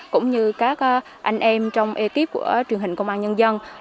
cũng như các anh em trong ekip của truyền hình công an nhân dân